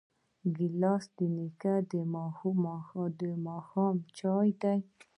ګیلاس د نیکه د ماښام چایو دی.